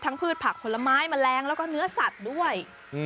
พืชผักผลไม้แมลงแล้วก็เนื้อสัตว์ด้วย